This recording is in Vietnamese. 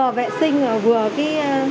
vừa vệ sinh vừa cái